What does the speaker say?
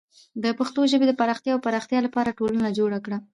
د پښتو ژبې د پراختیا او پرمختیا لپاره ټولنه جوړه کړه.